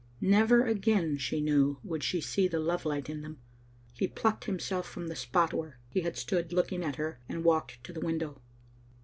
Never again, she knew, would she see the love light in them. He plucked himself from the spot where he had stood looking at her and walked to the window.